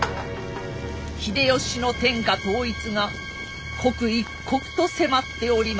秀吉の天下統一が刻一刻と迫っておりました。